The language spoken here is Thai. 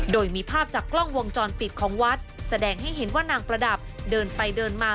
โดยมีภาพจากกล้องวงจรปิดของวัดแสดงให้เห็นว่านางประดับเดินไปเดินมา